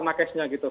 nah cashnya gitu